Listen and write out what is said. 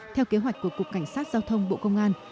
theo kế hoạch của cục cảnh sát giao thông bộ công an